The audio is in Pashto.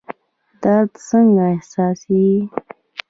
درد څنګه احساسیږي؟